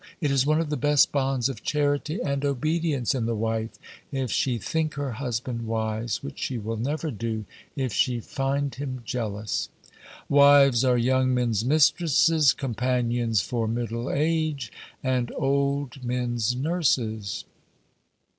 It is one of the best bonds of charity and obedience in the wife if she think her husband wise, which she will never do if she find him jealous. "Wives are young men's mistresses, companions for middle age, and old men's nurses."